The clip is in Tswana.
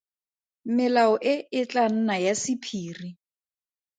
Melao e e tla nna ya sephiri.